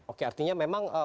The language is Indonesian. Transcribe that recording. oke artinya memang